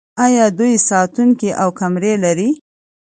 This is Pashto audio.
آیا دوی ساتونکي او کمرې نلري؟